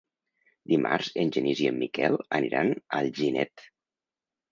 Dimarts en Genís i en Miquel aniran a Alginet.